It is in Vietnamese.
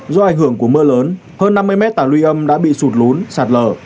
do ảnh hưởng của mưa lớn hơn năm mươi mét tả luy âm đã bị sụt lún sạt lờ